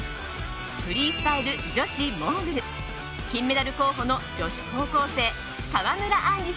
フリースタイル女子モーグル金メダル候補の女子高校生川村あん